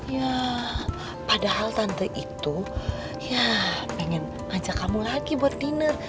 ya padahal tante itu ya pengen ngajak kamu lagi buat dinner